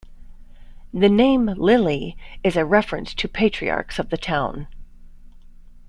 The name "Lilly" is a reference to patriarchs of the town.